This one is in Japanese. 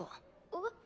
えっ？